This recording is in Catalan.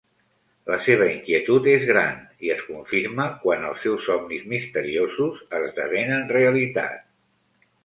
La seva inquietud és gran, i es confirma quan els seus somnis misteriosos esdevenen realitat.